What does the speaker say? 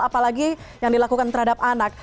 apalagi yang dilakukan terhadap anak